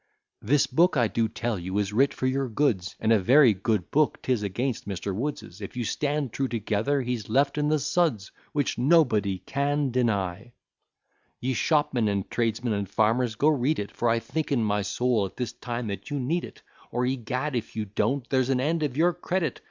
This book, I do tell you, is writ for your goods, And a very good book 'tis against Mr. Wood's, If you stand true together, he's left in the suds. Which, &c. Ye shopmen, and tradesmen, and farmers, go read it, For I think in my soul at this time that you need it; Or, egad, if you don't, there's an end of your credit.